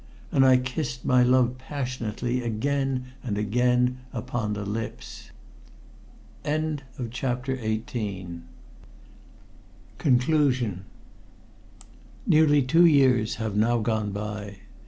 And I kissed my love passionately again and again upon the lips. CONCLUSION Nearly two years have now gone by.